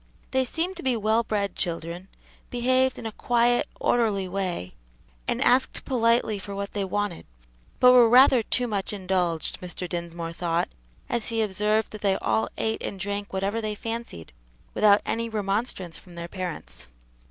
They seemed to be well bred children, behaved in a quiet, orderly way, and asked politely for what they wanted, but were rather too much indulged, Mr. Dinsmore thought, as he observed that they all ate and drank whatever they fancied, without any remonstrance from their parents.